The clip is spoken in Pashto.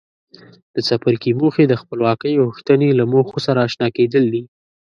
د څپرکي موخې د خپلواکۍ غوښتنې له موخو سره آشنا کېدل دي.